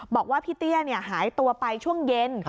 บอกว่าพี่เตี้ยหายตัวไปช่วงเย็น